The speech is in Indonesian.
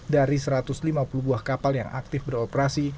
dari satu ratus lima puluh buah kapal yang aktif beroperasi